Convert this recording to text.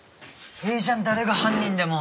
いいじゃん誰が犯人でも。